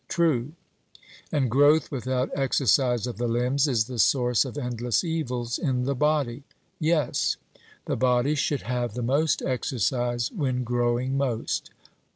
'True.' And growth without exercise of the limbs is the source of endless evils in the body. 'Yes.' The body should have the most exercise when growing most.